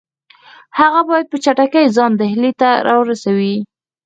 هغه باید په چټکۍ ځان ډهلي ته را ورسوي.